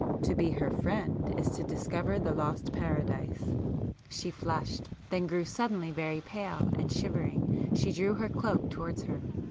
"To be her friend is to discover the lost paradise." She flushed,—then grew suddenly very pale, and shivering, she drew her cloak towards her.